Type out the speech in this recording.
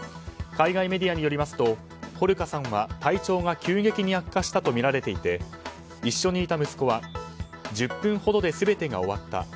海外メディアによりますとホルカさんは体調が急激に悪化したとみられていて一緒にいた息子は１０分ほどで全てが終わった。